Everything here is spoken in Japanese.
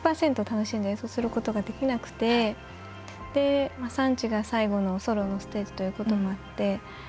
楽しんで演奏することができなくて３次が最後のソロのステージということもあって